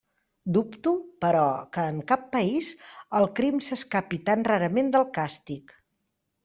Dubto, però, que en cap país el crim s'escapi tan rarament del càstig.